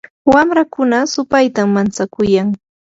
wamrakuna supaytam mantsakuyan.